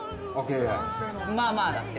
まあまあだって。